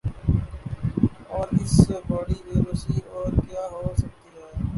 اور اس سے بڑی بے بسی اور کیا ہو سکتی ہے